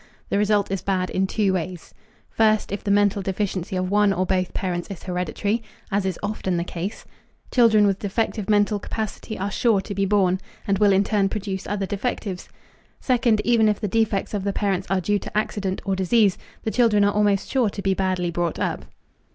The result is bad in two ways. First, if the mental deficiency of one or both parents is hereditary, as is often the case, children with defective mental capacity are sure to be born, and will in turn produce other defectives. Second, even if the defects of the parents are due to accident or disease, the children are almost sure to be badly brought up.